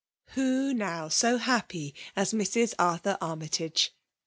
Who now so happy as Mrs. Arthur Army tage